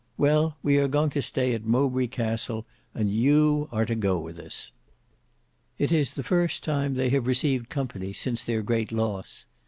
Well, we are going to stay at Mowbray Castle, and you are to go with us. It is the first time they have received company since their great loss.